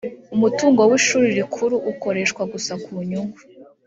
umutungo wa ishuri rikuru ukoreshwa gusa ku nyungu